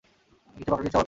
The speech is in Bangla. কিছু পাকা, কিছু আবার কাচা।